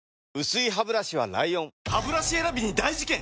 薄いハブラシは ＬＩＯＮハブラシ選びに大事件！